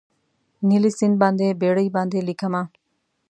نیلي سیند باندې بیړۍ باندې لیکمه